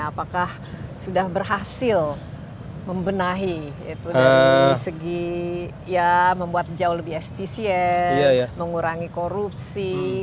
apakah sudah berhasil membenahi dari segi membuat jauh lebih spesies mengurangi korupsi